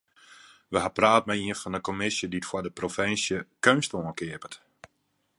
We ha praat mei ien fan de kommisje dy't foar de provinsje keunst oankeapet.